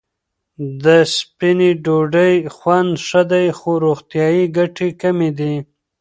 د سپینې ډوډۍ خوند ښه دی، خو روغتیايي ګټې کمې دي.